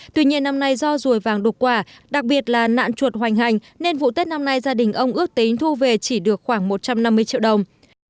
tuy nhiên năm nay do rùi vàng đục quả đặc biệt là nạn chuột hoành hành nên vụ tết năm nay gia đình ông ước tính thu về chỉ được khoảng một trăm năm mươi triệu đồng